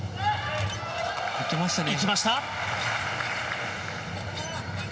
行きました。